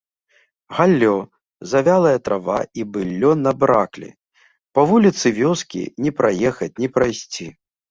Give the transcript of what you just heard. Галлё, завялая трава і быллё набраклі, па вуліцы вёскі ні праехаць ні прайсці.